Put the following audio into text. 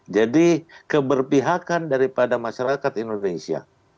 jadi keberpihakan daripada masyarakat indonesia